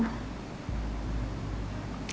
mbak endin gak terima aku